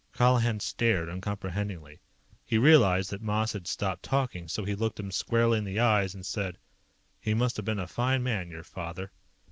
'" Colihan stared uncomprehendingly. He realized that Moss had stopped talking, so he looked him squarely in the eyes and said: "He must have been a fine man, your father."